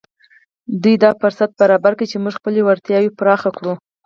دوی دا فرصت برابر کړی چې موږ خپلې وړتياوې پراخې کړو.